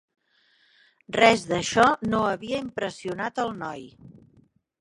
res d'això no havia impressionat el noi.